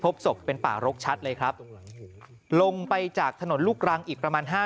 พบศพเป็นป่ารกชัดเลยครับลงไปจากถนนลูกรังอีกประมาณห้า